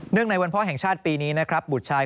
อย่างในวันพ่อแห่งชาติปีนี้บุตรชายของนายสุวรรค์นี้